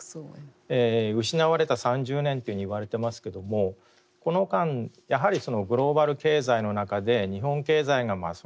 「失われた３０年」というふうに言われてますけどもこの間やはりグローバル経済の中で日本経済が沈降してきたと。